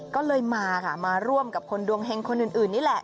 ก็เลยมาค่ะมาร่วมกับคนดวงเฮงคนอื่นนี่แหละ